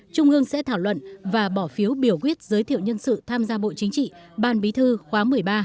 trung ương sẽ thảo luận và bỏ phiếu biểu quyết giới thiệu nhân sự tham gia bộ chính trị ban bí thư khóa một mươi ba